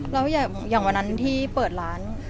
แล้วอย่างวันนั้นที่เปิดร้าน